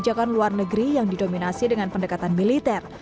kebijakan luar negeri yang didominasi dengan pendekatan militer